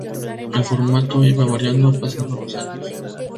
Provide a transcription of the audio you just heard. El formato iba variando pasando los años.